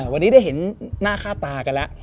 วันนี้ได้เห็นหน้าค่าตากันแล้ว